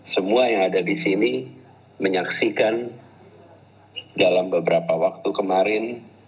semua yang ada di sini menyaksikan dalam beberapa waktu kemarin